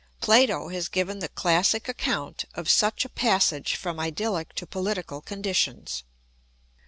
Plato has given the classic account of such a passage from idyllic to political conditions.